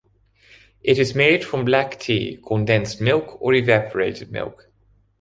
It is made from black tea, condensed milk or evaporated milk.